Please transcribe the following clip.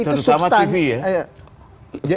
terutama tv ya